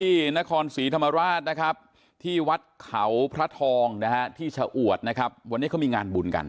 ที่นครศรีธรรมราชนะครับที่วัดเขาพระทองนะฮะที่ชะอวดนะครับวันนี้เขามีงานบุญกัน